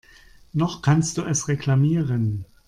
Noch kannst du es reklamieren.